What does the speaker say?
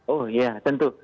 oh ya tentu